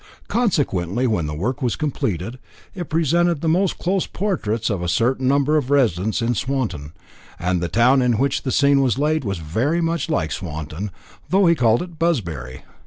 Consequently, when the work was completed, it presented the most close portraits of a certain number of the residents in Swanton, and the town in which the scene was laid was very much like Swanton, though he called it Buzbury.